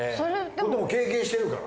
経験してるから。